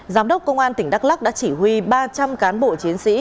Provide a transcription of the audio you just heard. giám đốc công an tỉnh đắk lắc đã chỉ huy ba trăm linh cán bộ chiến sĩ